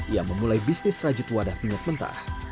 ia memulai bisnis rajut wadah minyak mentah